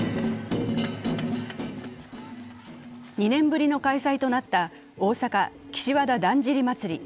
２年ぶりの開催となった大阪・岸和田だんじり祭。